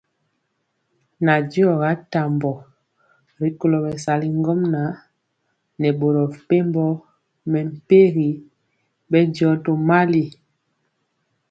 Nandiɔ ga tambɔ rikolo bɛsali ŋgomnaŋ nɛ boro mepempɔ mɛmpegi bɛndiɔ tomali.